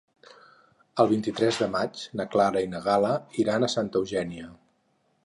El vint-i-tres de maig na Clara i na Gal·la iran a Santa Eugènia.